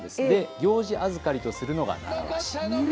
行司預かりとするのが習わしなんです。